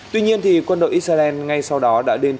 tuy nhiên quân đội israel ngay sau đó đã đền trợ